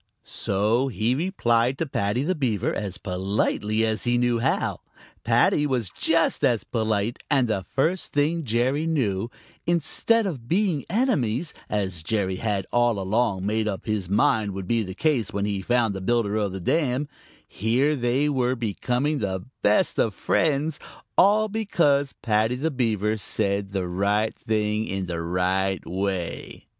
So he replied to Paddy the Beaver as politely as he knew how. Paddy was just as polite, and the first thing Jerry knew, instead of being enemies, as Jerry had all along made up his mind would be the case when he found the builder of the dam, here they were becoming the best of friends, all because Paddy the Beaver had said the right thing in the right way.